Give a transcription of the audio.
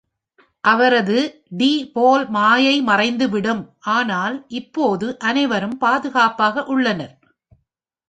அவரது டி போல் மாயை மறைந்துவிடும், ஆனால் இப்போது அனைவரும் பாதுகாப்பாக உள்ளனர்.